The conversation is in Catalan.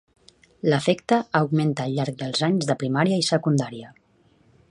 L'efecte augmenta al llarg dels anys de primària i secundària.